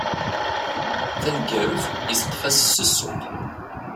Taneggarut, iseqqef-as s ssuq.